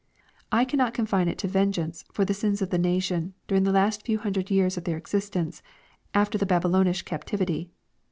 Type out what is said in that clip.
I cannot confine it to " vengeance" for the sins of the nation during the last few hun dred years of their existence after the Babylonish captivity.